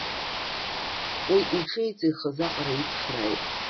Уи иҽеиҵихыз аҟара ицхрааит.